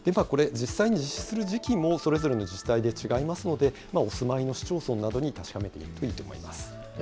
これ、実際に実施する時期もそれぞれの自治体で違いますので、お住まいの市町村などに確かめてみるといいと思います。